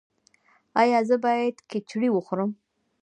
ایا زه باید کیچړي وخورم؟